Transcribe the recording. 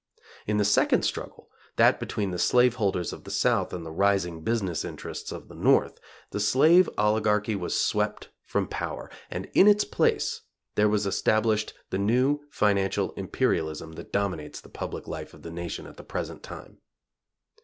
In the second struggle that between the slave holders of the South and the rising business interests of the North, the slave oligarchy was swept from power, and in its place there was established the new financial imperialism that dominates the public life of the nation at the present time.